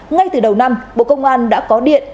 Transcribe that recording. ngay từ đầu năm bộ công an đã có điện